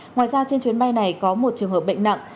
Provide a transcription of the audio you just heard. ngoài ra trên chuyến bay này có một trường hợp bệnh nặng